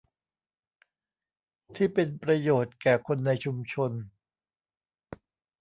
ที่เป็นประโยชน์แก่คนในชุมชน